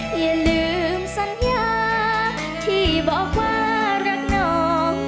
อย่าลืมสัญญาที่บอกว่ารักนอก